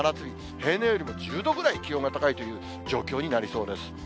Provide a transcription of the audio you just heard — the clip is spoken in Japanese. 平年よりも１０度ぐらい気温が高いという状況になりそうです。